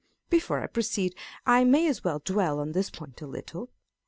Before I proceed, I may as well dwell on this point a little.